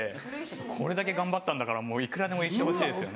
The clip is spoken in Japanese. これだけ頑張ったんだからもういくらでも言ってほしいですよね。